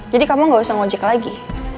kamu gak usah ngojek lagi